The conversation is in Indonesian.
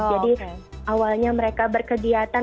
jadi awalnya mereka berkegiatan